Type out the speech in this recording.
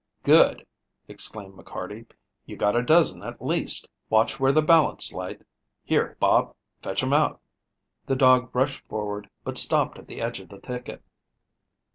"Good!" exclaimed McCarty. "You got a dozen at least. Watch where the balance light. Here, Bob, fetch 'em out." The dog rushed forward, but stopped at the edge of the thicket.